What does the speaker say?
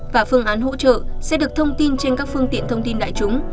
và phương án hỗ trợ sẽ được thông tin trên các phương tiện thông tin đại chúng